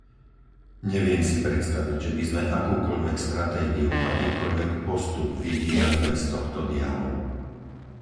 Neviem si predstaviť, že by sme akúkoľvek stratégiu, akýkoľvek postup vyvíjali bez tohto dialógu.